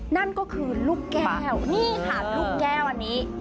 นั่นก็คือลูกแก้วนี่ค่ะลูกแก้วอันนี้